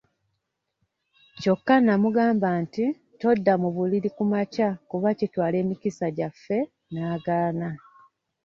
Kyokka namugamba nti todda mu buliri ku makya kuba kitwala emikisa gyaffe n'agaana.